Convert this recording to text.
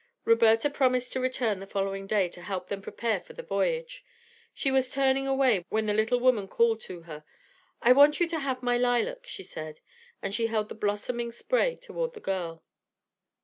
Roberta promised to return the following day to help them prepare for the voyage. She was turning away when the little woman called to her: "I want you to have my lilac," she said, as she held the blossoming spray toward the girl.